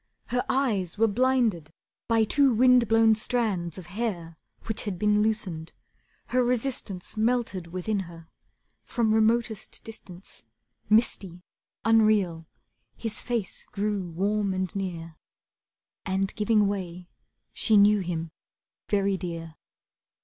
Her eyes were blinded by two wind blown strands Of hair which had been loosened. Her resistance Melted within her, from remotest distance, Misty, unreal, his face grew warm and near, And giving way she knew him very dear.